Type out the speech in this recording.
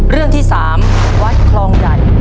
เรื่องที่๓วัดคลองใหญ่